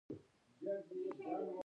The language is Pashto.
د بلخ غنم په پراخه دښتو کې کرل کیږي.